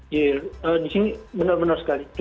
ya di sini benar benar sekali